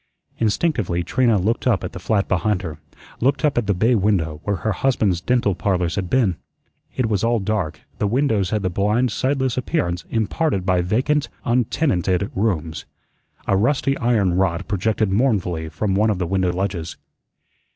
Instinctively Trina looked up at the flat behind her; looked up at the bay window where her husband's "Dental Parlors" had been. It was all dark; the windows had the blind, sightless appearance imparted by vacant, untenanted rooms. A rusty iron rod projected mournfully from one of the window ledges.